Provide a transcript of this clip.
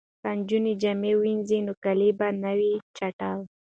که نجونې جامې وینځي نو کالي به نه وي چټل.